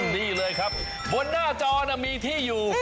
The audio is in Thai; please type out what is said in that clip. นี่เลยครับบนหน้าจอมีที่อยู่